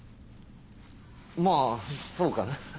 まぁそうかな。